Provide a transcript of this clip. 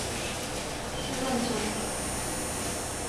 是認真的